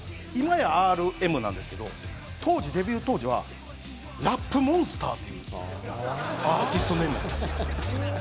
今はＲＭなんですけれどデビュー当時はラップモンスターというアーティストネームだった。